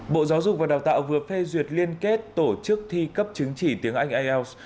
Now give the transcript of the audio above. bộ giáo dục và đào tạo vừa phê duyệt liên kết tổ chức thi cấp chứng chỉ tiếng anh ielts